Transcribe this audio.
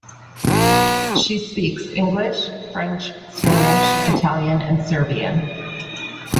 She speaks English, French, Spanish, Italian and Serbian.